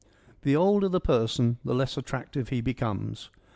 The older the person, the less attrac tive he becomes.